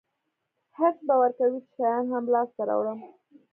حرص به ورکوي چې شیان هم لاسته راوړم.